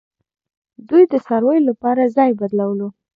دوی د څارویو لپاره ځای بدلولو